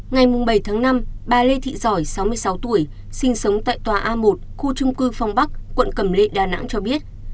ngày bảy tháng năm bà lê thị giỏi sáu mươi sáu tuổi sinh sống tại tòa a một khu trung cư phong bắc quận cầm lệ đà nẵng cho biết